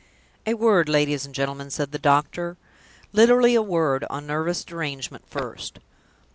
"A word, ladies and gentlemen," said the doctor; "literally a word, on nervous derangement first.